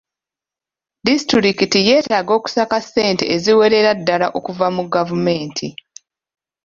Disitulikiti yeetaaga okusaka ssente eziwerera ddaala okuva mu gavumenti.